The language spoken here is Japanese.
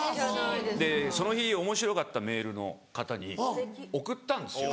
でその日おもしろかったメールの方に送ったんですよ。